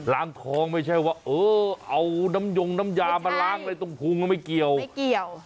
ล้างทองไม่ใช่ว่าเอาน้ำยงน้ำยามาล้างเลยตรงภูมิไม่เกี่ยว